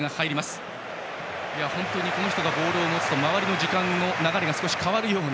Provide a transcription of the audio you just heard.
本当にこの人がボールを持つと周りの時間が少し変わるような。